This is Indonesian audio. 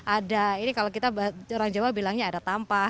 ada ini kalau kita orang jawa bilangnya ada tampah